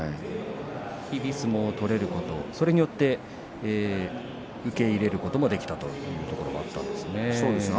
日々相撲を取れることそれによって受け入れることもできたというところだったんですね。